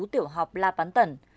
tiểu học la bán tẩn